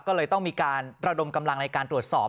ก็เลยต้องมีการระดมกำลังในการตรวจสอบ